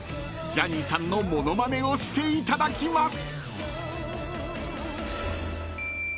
［ジャニーさんの物まねをしていただきます］